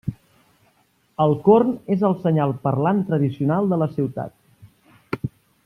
El corn és el senyal parlant tradicional de la ciutat.